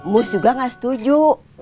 mus juga gak setuju